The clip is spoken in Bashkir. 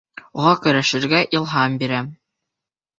Уға көрәшергә илһам бирәм.